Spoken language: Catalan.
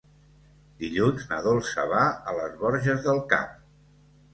Dilluns na Dolça va a les Borges del Camp.